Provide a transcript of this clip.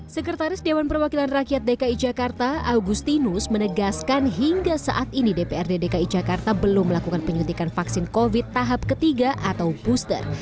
sekretaris dewan perwakilan rakyat dki jakarta augustinus menegaskan hingga saat ini dprd dki jakarta belum melakukan penyuntikan vaksin covid tahap ketiga atau booster